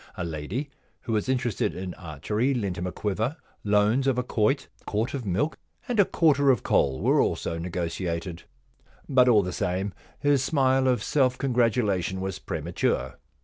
A lady who was interested in archery lent him a quiver. Loans of a quoit, a quart of milk, and a quarter of coal were also negotiated. But all the same, his smile of self congratu lation was premature.